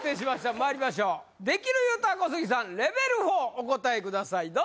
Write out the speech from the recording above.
まいりましょうできる言うた小杉さんレベル４お答えください